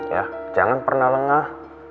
ya jangan pernah lengah